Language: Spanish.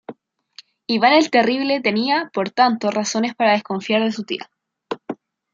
Iván el Terrible tenía, por tanto, razones para desconfiar de su tía.